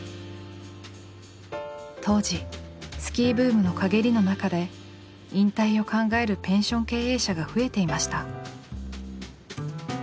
当時スキーブームの陰りの中で引退を考えるペンション経営者が増えていました。